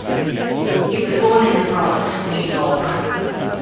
He was born in The Bronx, New York.